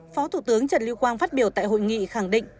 phó thủ tướng trần lưu quang phát biểu tại hội nghị khẳng định